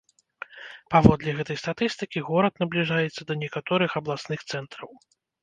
Паводле гэтай статыстыкі горад набліжаецца да некаторых абласных цэнтраў.